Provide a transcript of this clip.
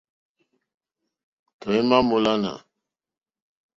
Tɔ̀ímá mǃólánà.